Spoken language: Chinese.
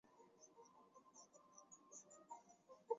首府凯鲁万。